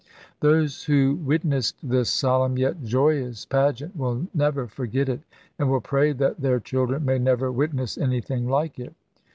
i865. Those who witnessed this solemn yet joyous pageant will never forget it, and will pray that their children may never witness anything like it.